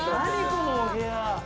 このお部屋。